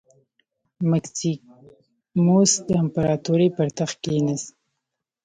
مکسیموس د امپراتورۍ پر تخت کېناست.